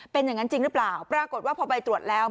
เป็นอย่างนั้นจริงหรือเปล่าปรากฏว่าพอไปตรวจแล้ว